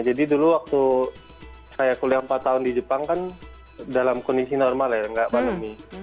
jadi dulu waktu saya kuliah empat tahun di jepang kan dalam kondisi normal ya nggak pandemi